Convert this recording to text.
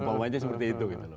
mumpamanya seperti itu